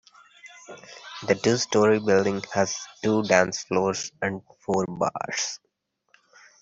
The two-storey building has two dance floors and four bars.